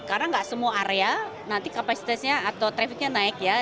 karena nggak semua area nanti kapasitasnya atau trafficnya naik ya